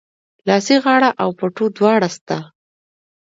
لاسي غاړه او پټو دواړه سته